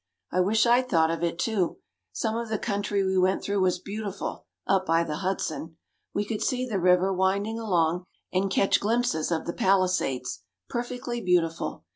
I wish I'd thought of it too. Some of the country we went through was beautiful up by the Hudson. We could see the river winding along, and catch glimpses of the Palisades perfectly beautiful.